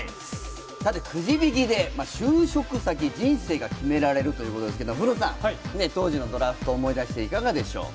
くじ引きで就職先、人生が決められるということですけど、古田さん当時のドラフトを思い出して、いかがでしょう？